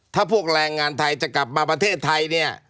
ถ้าพวกแรงงานไทยจะกลับมาประเทศไทยเนี่ย